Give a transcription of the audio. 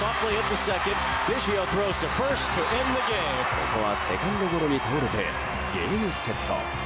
ここはセカンドゴロに倒れてゲームセット。